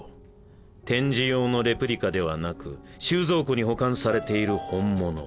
展示用のレプリカではなく収蔵庫に保管されている本物。